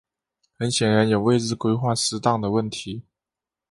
很显然有位置规划失当的问题。